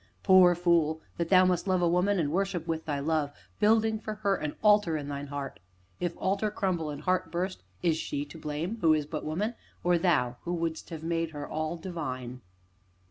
Poor fool! that thou must love a woman and worship with thy love, building for her an altar in thine heart. If altar crumble and heart burst, is she to blame who is but woman, or thou, who wouldst have made her all divine?